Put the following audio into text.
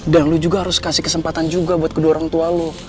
dan lo juga harus kasih kesempatan juga buat kedua orang tua lo